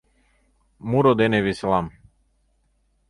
Муро дене веселам